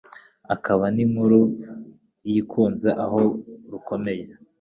Akaba n' inkuba yikunze aho rukomeye